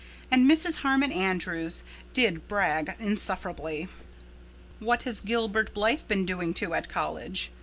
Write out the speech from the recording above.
And Mrs. Harmon Andrews did brag insufferably. "What has Gilbert Blythe been doing to at college?"